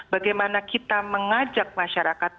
bagaimana kita mengajak masyarakat